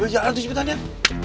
jalan tuh cepetan yan